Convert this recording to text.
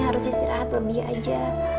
harus istirahat lebih aja